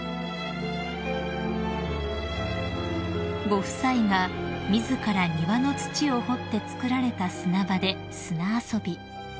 ［ご夫妻が自ら庭の土を掘って造られた砂場で砂遊び］